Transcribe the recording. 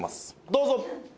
どうぞ！